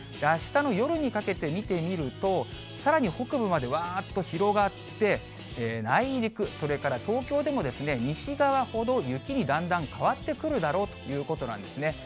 あしたの夜にかけて見てみると、さらに北部までわーっと広がって、内陸、それから東京でも、西側ほど雪にだんだん変わってくるだろうということなんですね。